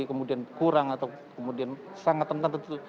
kemudian kurang atau kemudian sangat